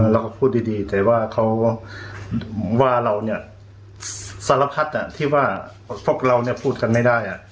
เราก็พูดดีแต่ว่าเขาว่าเราเนี่ยสารพัดที่ว่าพวกเราเนี่ยพูดกันไม่ได้